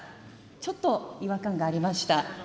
ちょっと違和感がありました。